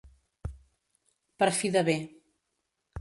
Per fi de bé.